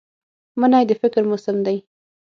مني د فکر موسم دی